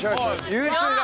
優秀だ！